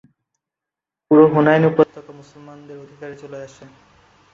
পুরো হুনাইন উপত্যকা মুসলমানদের অধিকারে চলে আসে।